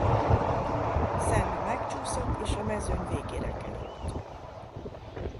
Senna megcsúszott és a mezőny végére került.